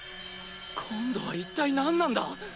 今度は一体何なんだ！